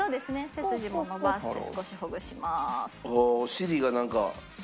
背筋も伸ばして少しほぐします。